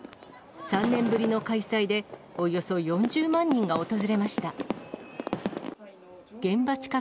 ３年ぶりの開催で、およそ４０万人が訪れました。